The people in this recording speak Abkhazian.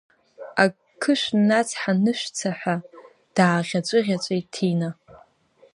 Акышәнацҳанышәца, ҳәа дааӷьаҵәы-ӷьаҵәит Ҭина.